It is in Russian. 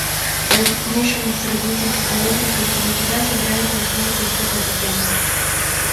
В дальнейшем, с развитием технологии контейнеризации, вероятно, возможен переход на контейнеры